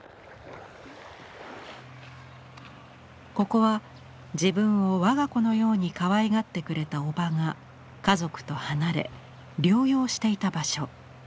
ここは自分を我が子のようにかわいがってくれたおばが家族と離れ療養していた場所。